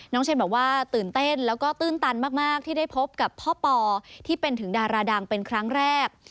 เชนบอกว่าตื่นเต้นแล้วก็ตื้นตันมากที่ได้พบกับพ่อปอที่เป็นถึงดาราดังเป็นครั้งแรก